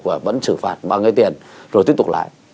và vẫn xử phạt bằng người tiền rồi tiếp tục lái